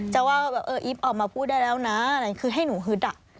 จะว่าแบบเอออีฟออกมาพูดได้แล้วนะอะไรคือให้หนูฮึดอ่ะ